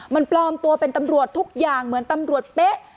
มันปลอมตัวเป็นตำรวจทุกอย่างเหมือนตำรวจเป๊ะ